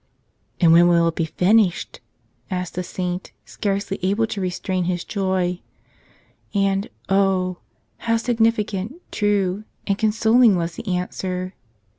"And when will it be finished?" asked the saint, scarcely able to restrain his joy. And, oh! how significant, true, and consoling was the answer.